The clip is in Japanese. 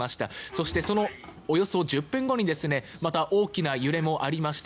そしてそのおよそ１０分後にまた大きな揺れもありました。